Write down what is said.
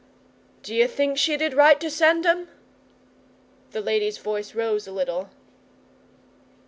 'D'you think she did right to send 'em?' The lady's voice rose a little.